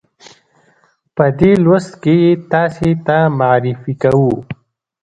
په دې لوست کې یې تاسې ته معرفي کوو.